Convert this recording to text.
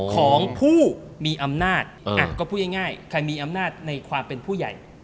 ของผู้มีอำนาจก็พูดง่ายใครมีอำนาจในความเป็นผู้ใหญ่